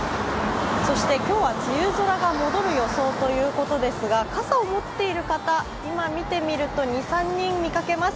そして今日は梅雨空が戻る予想ということですが、傘を持っている方、今見ていると２３人、見かけます。